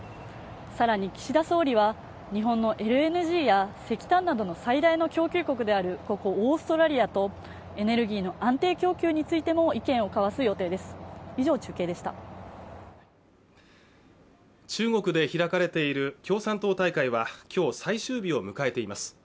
さらに岸田総理は日本のＬＮＧや石炭などの最大の供給国であるここオーストラリアとエネルギーの安定供給についても意見を交わす予定です以上中継でした中国で開かれている共産党大会はきょう最終日を迎えています